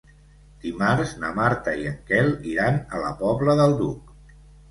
Dimarts na Marta i en Quel iran a la Pobla del Duc.